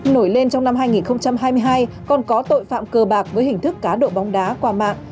nổi lên trong năm hai nghìn hai mươi hai còn có tội phạm cơ bạc với hình thức cá độ bóng đá qua mạng